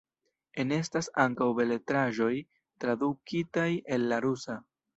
Enestas ankaŭ beletraĵoj tradukitaj el la rusa.